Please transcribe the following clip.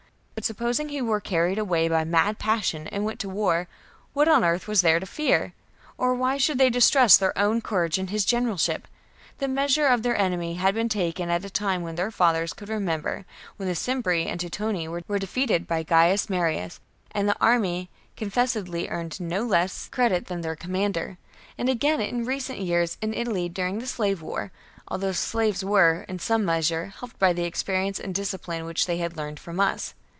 But supposing he were carried away by mad passion and went to war, what on earth was there to fear ? Or why should they distrust their own courage or his generalship ? The measure of their enemy had been taken at a time which their fathers could remember, when the Cimbri and Teutoni were defeated by Gaius Marius, and the army confessedly earned no less 36 CAMPAIGNS AGAINST THE book 58 B.C. credit than their commander ; and again in recent years in Italy during the Slave War, although the slaves were, in some measure, helped by the experience and discipline which they had learned from us.